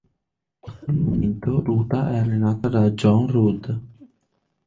Da quel momento Ruta è allenata da Jon Rudd.